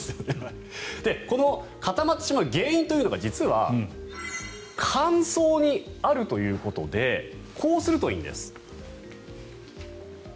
この固まってしまう原因というのが実は乾燥にあるということでこうするといいんです。